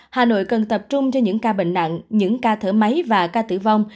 hà nội cần tập trung cho những ca bệnh nặng những ca thở máy và ca tử vong